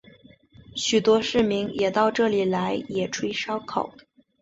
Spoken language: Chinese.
许多市民也到这里来野炊烧烤。